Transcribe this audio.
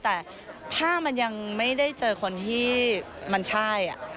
แต่ถ้ามันยังไม่ได้เจอคนที่มันใช่